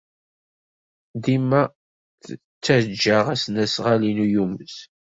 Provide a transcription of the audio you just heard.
Dima ttajjaɣ asnasɣal-inu yumes.